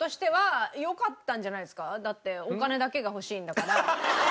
だってお金だけが欲しいんだから。